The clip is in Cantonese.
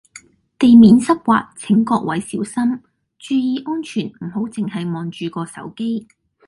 地面濕滑請各位小心，注意安全唔好淨係望住個手機